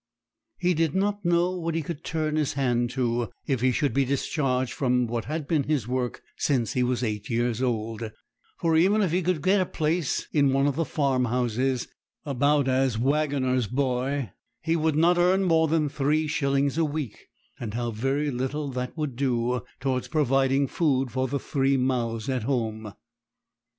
He did not know what he could turn his hand to if he should be discharged from what had been his work since he was eight years old; for even if he could get a place in one of the farmhouses about as waggoner's boy, he would not earn more than three shillings a week; and how very little that would do towards providing food for the three mouths at home!